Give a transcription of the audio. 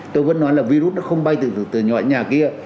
tôi vẫn nói là virus nó không bay từ nhỏ nhà kia